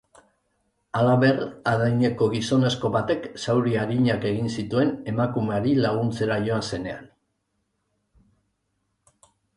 Halaber, adineko gizonezko batek zauri arinak egin zituen emakumeari laguntzera joan zenean.